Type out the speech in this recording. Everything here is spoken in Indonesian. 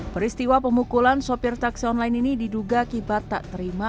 peristiwa pemukulan sopir taksi online ini diduga akibat tak terima